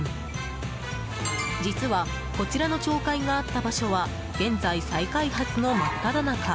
実は、こちらの町会があった場所は現在、再開発の真っただ中。